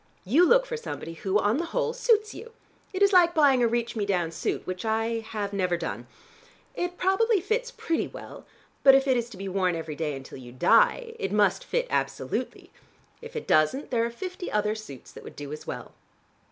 You look for somebody who, on the whole, suits you. It is like buying a reach me down suit, which I have never done. It probably fits pretty well. But if it is to be worn every day until you die, it must fit absolutely. If it doesn't, there are fifty other suits that would do as well."